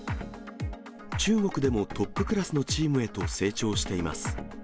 中国でもトップクラスのチームへと成長しています。